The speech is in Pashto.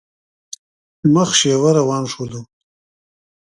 مخ شېوه روان شولو.